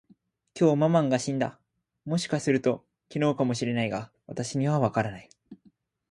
きょう、ママンが死んだ。もしかすると、昨日かも知れないが、私にはわからない。